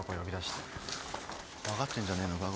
分かってんじゃねえのか？